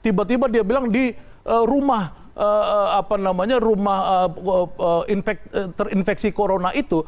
tiba tiba dia bilang di rumah apa namanya rumah terinfeksi corona itu